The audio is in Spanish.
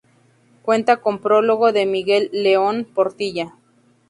Cuenta con prólogo de Miguel León-Portilla.